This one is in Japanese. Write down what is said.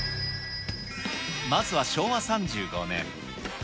まずは昭和３５年。